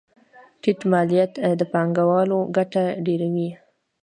ټیټ مالیات د پانګوالو ګټه ډېروي.